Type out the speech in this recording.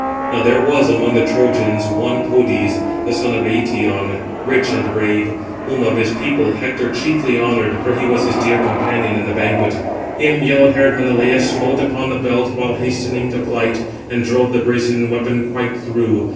Now there was among the Trojans one Podes, the son of Eëtion, rich and brave; whom of his people Hector chiefly honoured, for he was his dear companion in the banquet. Him yellow haired Menelaus smote upon the belt while hastening to flight, and drove the brazen weapon quite through.